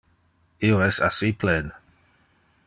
Io es assi plen.